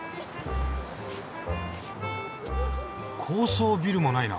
高層ビルもないな。